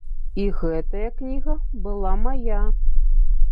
І гэтая кніга была мая.